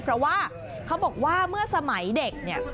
เพราะว่าเขาบอกว่าเมื่อสมัยเด็กเนี่ย